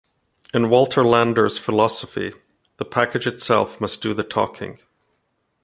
In Walter Landor's philosophy, The package itself must do the talking.